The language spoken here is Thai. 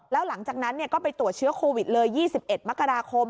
แล้วหลังจากนั้นก็ไปตรวจเชื้อโควิดเลย๒๑มกราคม